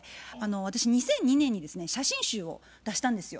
私２００２年にですね写真集を出したんですよ。